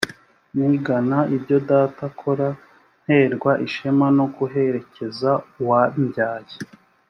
nigana ibyo data akora nterwa ishema no guherekeza uwambyaye